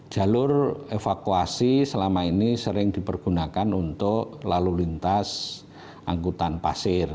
jalur evakuasi selama ini sering dipergunakan untuk lalu lintas angkutan pasir